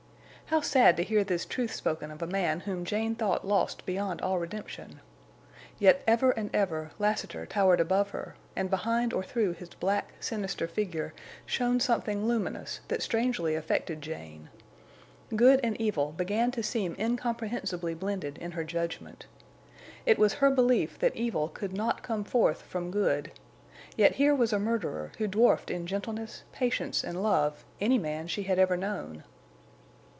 How sad to hear this truth spoken of a man whom Jane thought lost beyond all redemption! Yet ever and ever Lassiter towered above her, and behind or through his black, sinister figure shone something luminous that strangely affected Jane. Good and evil began to seem incomprehensibly blended in her judgment. It was her belief that evil could not come forth from good; yet here was a murderer who dwarfed in gentleness, patience, and love any man she had ever known.